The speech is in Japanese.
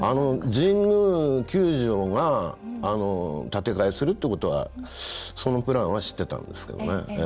神宮球場が建て替えするっていうことはそのプランは知ってたんですけど。